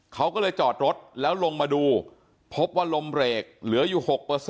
เขาก็เลยจอดรถแล้วลงมาดูพบว่าลมเบรกเหลืออยู่๖